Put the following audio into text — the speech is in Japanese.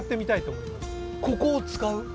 ここを使う？